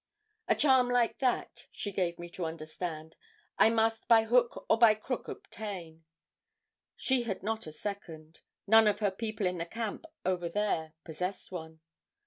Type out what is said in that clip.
A charm like that, she gave me to understand, I must by hook or by crook obtain. She had not a second. None of her people in the camp over there possessed one.